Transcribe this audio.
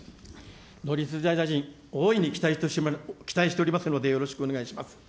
農林水産大臣、大いに期待しておりますので、よろしくお願いします。